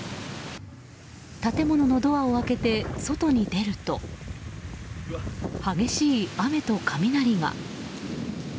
建物のドアを開けて外に出ると激しい雨と雷が。